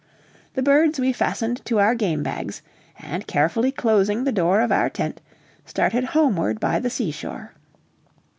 The birds we fastened to our game bags, and carefully closing the door of our tent, started homeward by the seashore.